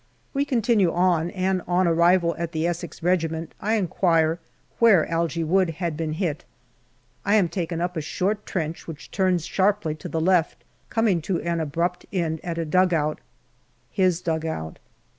We continue on, and on arrival at the Essex Regiment I inquire where Algy Wood had been hit. I am taken up a short trench which turns sharply to the left, coming to an abrupt end at a dugout his dugout.